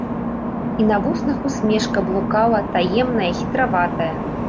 І на вуснах усмешка блукала таемная, хітраватая.